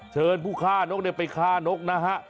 เชิญผู้ฆ่านกไปฆ่านกนะฮะ